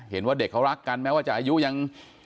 เห็นว่าเด็กเขารักกันแม้ว่าจะอายุยัง